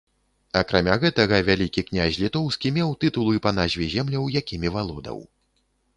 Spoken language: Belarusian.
Акрамя гэтага, вялікі князь літоўскі меў тытулы па назве земляў, якімі валодаў.